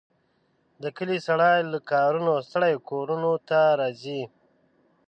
د کلي سړي له کارونو ستړي کورونو ته راځي.